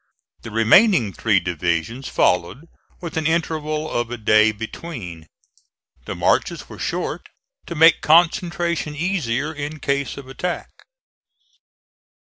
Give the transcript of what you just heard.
The remaining three divisions followed, with an interval of a day between. The marches were short, to make concentration easier in case of attack.